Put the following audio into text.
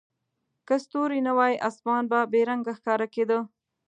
که ستوري نه وای، اسمان به بې رنګه ښکاره کېده.